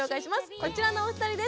こちらのお二人です。